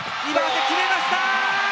決めました！